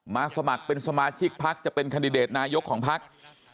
สมัครเป็นสมาชิกพักจะเป็นคันดิเดตนายกของพัก